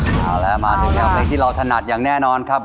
เอาแล้วมาถึงแนวเพลงที่เราถนัดอย่างแน่นอนครับ